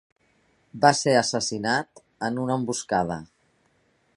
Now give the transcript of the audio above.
Va ser assassinat en una emboscada.